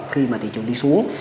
khi mà thị trường đi xuống